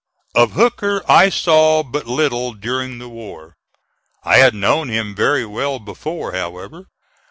Of Hooker I saw but little during the war. I had known him very well before, however.